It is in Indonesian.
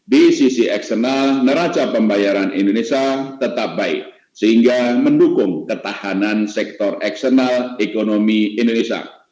di sisi eksternal neraca pembayaran indonesia tetap baik sehingga mendukung ketahanan sektor eksternal ekonomi indonesia